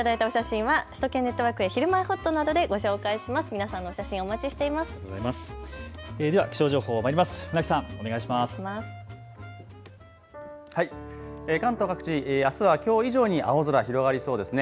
関東各地、あすはきょう以上に青空、広がりそうですね。